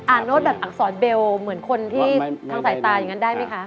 โน้ตแบบอักษรเบลเหมือนคนที่ทางสายตาอย่างนั้นได้ไหมคะ